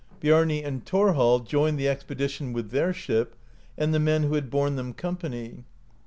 Biarni and Thorhall joined the expedition with their ship, and the men who had borne them company.